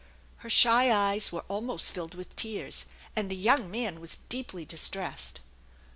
Her shy eyes were almost filled with tears, and the young man was deeply distressed.